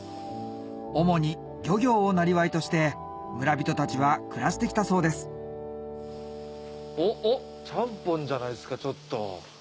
主に漁業をなりわいとして村人たちは暮らしてきたそうですおっおっちゃんぽんじゃないですか。